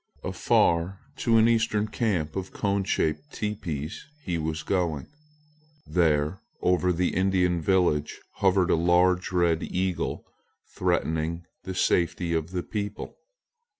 Afar to an eastern camp of cone shaped teepees he was going. There over the Indian village hovered a large red eagle threatening the safety of the people.